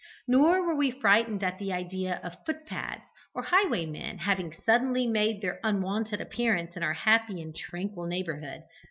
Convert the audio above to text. Nor were we frightened at the idea of foot pads or highwaymen having suddenly made their unwonted appearance in our happy and tranquil neighbourhood.